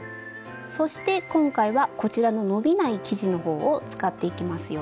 そして今回はこちらの伸びない生地の方を使っていきますよ。